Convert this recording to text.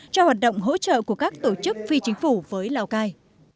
cho hoạt động hỗ trợ của các tổ chức phi chính phủ với lào cai